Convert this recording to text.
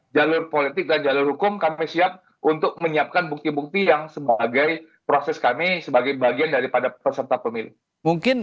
jalur politik dan jalur hukum kami siap untuk menyiapkan bukti bukti yang sebagai proses kami sebagai bagian daripada peserta pemilu